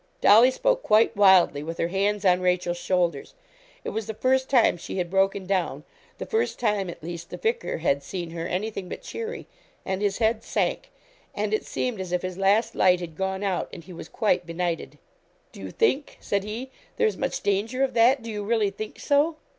Dolly spoke quite wildly, with her hands on Rachel's shoulders. It was the first time she had broken down, the first time, at least, the vicar had seen her anything but cheery, and his head sank, and it seemed as if his last light had gone out, and he was quite benighted. 'Do you think,' said he, 'there is much danger of that? Do you really think so?'